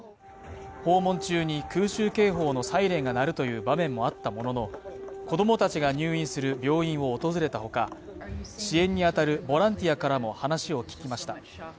訪問中に空襲警報のサイレンが鳴るという場面があったものの子供たちが入院する病院を訪れたほか支援に当たるボランティアからも話を聞きました。